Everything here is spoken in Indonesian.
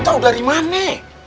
tau dari mana